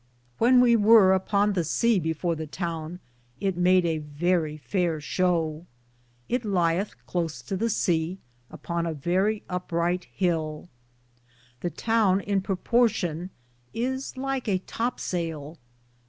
^ When we weare upon the sea before the towne it made a verrie fayer show. It Lyethe cloce to the seae, upon a verrie upryghte hill. The towne in proportion is Lyke a top sayle.